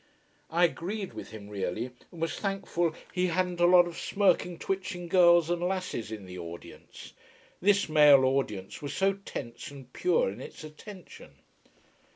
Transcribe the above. I agreed with him really, and was thankful we hadn't a lot of smirking twitching girls and lasses in the audience. This male audience was so tense and pure in its attention.